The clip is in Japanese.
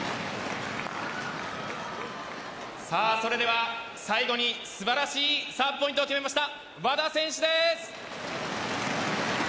それでは、最後に素晴らしいサーブポイントを決めました和田選手です。